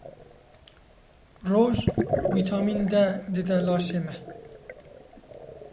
Roj vîtamîn D dide laşê me